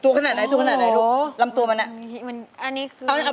ตัวขนาดไหนลูกลำตัวมันอ่ะ